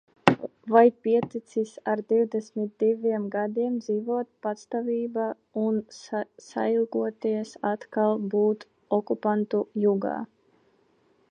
Vai pieticis ar divdesmit diviem gadiem dzīvot patstāvībā un sailgojies atkal būt okupantu jūgā?